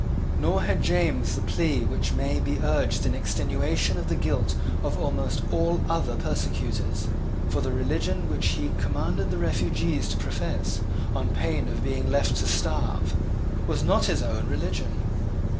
Nor had James the plea which may be urged in extenuation of the guilt of almost all other persecutors: for the religion which he commanded the refugees to profess, on pain of being left to starve, was not his own religion.